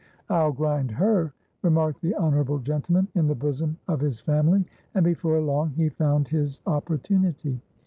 "I'll grind her!" remarked the honourable gentleman, in the bosom of his family, and before long he found his opportunity.